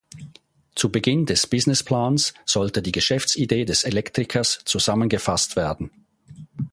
Zu Beginn des Businessplans sollte die Geschäftsidee des Elektrikers zusammengefasst werden.